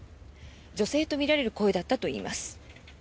女性とみられる声だったといいます。